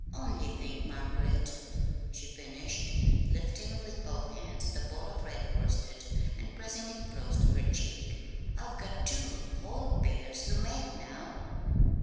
Only think, Margaret," she finished, lifting with both hands the ball of red worsted and pressing it close to her cheek, "I've got two whole pairs to make now!"